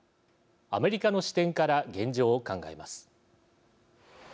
アメリカの視点から現状を考えます。